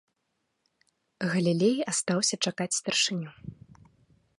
Галілей астаўся чакаць старшыню.